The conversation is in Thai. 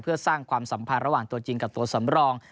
เพื่อสร้างความสัมพันธ์ระหว่างตัวจริงกับตัวสำรอง